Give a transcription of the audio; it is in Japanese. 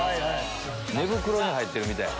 寝袋に入ってるみたいやな。